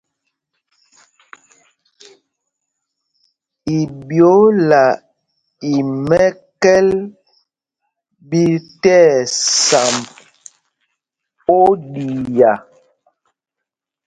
Iɓyōōla í mɛ́kɛ́l ɓí tí ɛsamb oɗiá.